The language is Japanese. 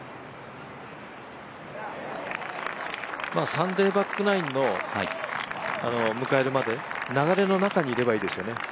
サンデーバックナインを迎えるまで、流れの中にいればいいですよね。